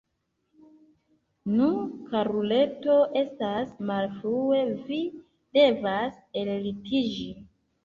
Nu, karuleto, estas malfrue, vi devas ellitiĝi!